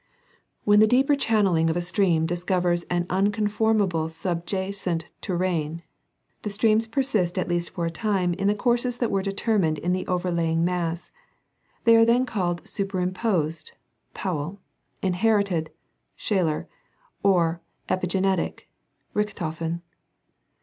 When the deeper channelling of a stream discovers an uncon formable subjacent terrane, the streams persist at least for a time in the courses that were determined in the overlying mass ; they are then called superimposed (Powell), inherited (Shaler), or epigenetic (Richthofen).